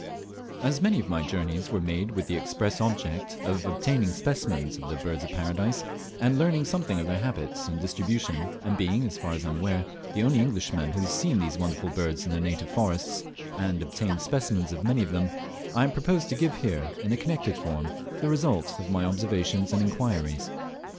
AS many of my journeys were made with the express object of obtaining specimens of the Birds of Paradise, and learning something of their habits and distribution; and being (as far as I am aware) the only Englishman who has seen these wonderful birds in their native forests, and obtained specimens of many of them, I propose to give here, in a connected form, the result of my observations and inquiries.